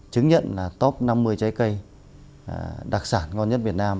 chứng nhận là top năm mươi trái cây đặc sản ngon nhất việt nam